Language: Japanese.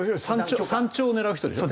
山頂を狙う人でしょ？